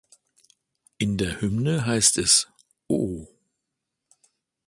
In der Hymne heißt es „Oh!